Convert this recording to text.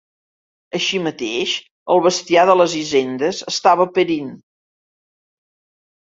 Així mateix el bestiar de les hisendes estava perint.